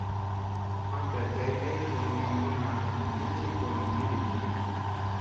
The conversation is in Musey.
Faɗta day ay komi yoŋgona nikki komi fiɗigina.